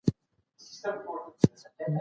د ټولنپوهنې کړنلاره له تاریخ څخه ډېره تحلیلي ده.